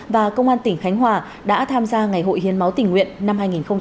và công an tỉnh khánh hòa đã tham gia ngày hội hiến máu tỉnh nguyện năm hai nghìn hai mươi ba